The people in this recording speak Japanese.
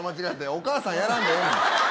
お母さんやらんでええねん。